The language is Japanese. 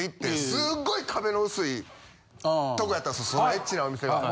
すっごい壁の薄いとこやったんです